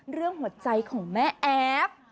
เรื่องหัวใจของแม่แอฟ